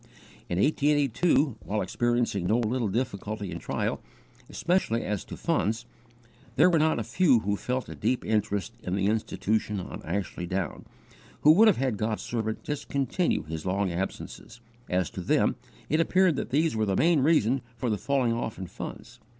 In 1882, while experiencing no little difficulty and trial, especially as to funds, there were not a few who felt a deep interest in the Institution on Ashley Down, who would have had God's servant discontinue his long absences, as to them it appeared that these were the main reason for the falling off in funds.